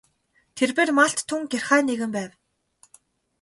Тэрбээр малд тун гярхай нэгэн байв.